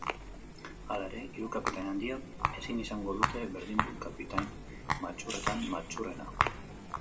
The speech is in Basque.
Hala ere, hiru kapitain handiok ezin izango dute berdindu kapitain maltzurretan maltzurrena.